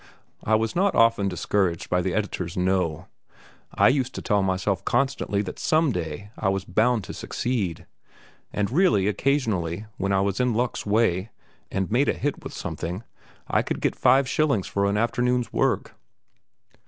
I was not often discouraged by the editors' "no." I used to tell myself constantly that some day I was bound to succeed; and really occasionally when I was in luck's way, and made a hit with something, I could get five shillings for an afternoon's work.